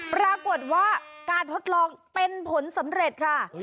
ปรากฏว่าการทดลองเป็นผลสำเร็จค่ะ